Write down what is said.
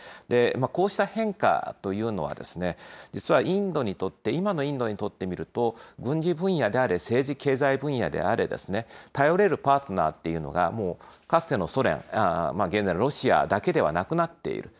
こうした変化というのは、実はインドにとって、今のインドにとってみると、軍事分野であれ、政治経済分野であれ、頼れるパートナーというのが、もうかつてのソ連、現在のロシアだけではなくなっている。